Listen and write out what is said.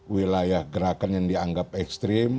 wilayah gerakan yang dianggap ekstrim